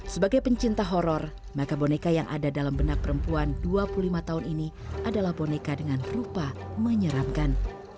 sebagai pencinta horror maka boneka yang ada dalam benak perempuan dua puluh lima tahun ini adalah boneka dengan rupa menyeramkan